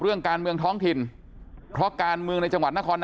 เรื่องการเมืองท้องถิ่นเพราะการเมืองในจ